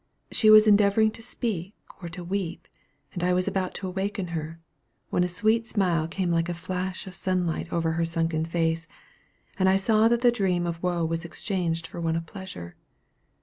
She was endeavoring to speak or to weep, and I was about to awaken her, when a sweet smile came like a flash of sunlight over her sunken face, and I saw that the dream of woe was exchanged for one of pleasure.